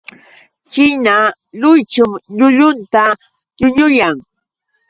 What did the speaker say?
China luychun llullunta ñuñuyan.